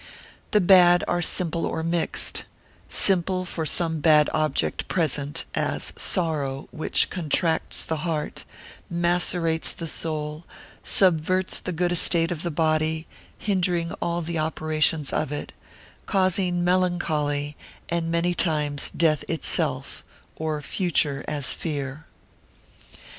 The bad are simple or mixed: simple for some bad object present, as sorrow, which contracts the heart, macerates the soul, subverts the good estate of the body, hindering all the operations of it, causing melancholy, and many times death itself; or future, as fear.